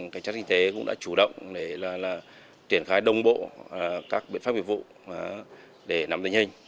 cảnh sát kinh tế cũng đã chủ động để là triển khai đông bộ các biện pháp biểu vụ để nắm tình hình